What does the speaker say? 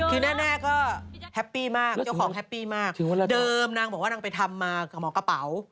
คือแน่ก็แฮปปี้มากเจ้าของแฮปปี้มากเดิมนางบอกว่านางไปทำมากับหมอกระเป๋า